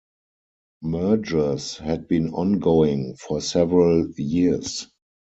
Mergers had been ongoing for several years.